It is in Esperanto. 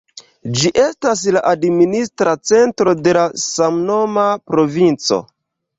Ĝi estas la administra centro de samnoma provinco.